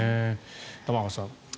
玉川さん。